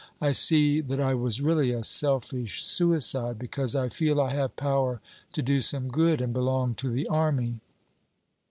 I see that I was really a selfish suicide, because I feel I have power to do some good, and belong to the army.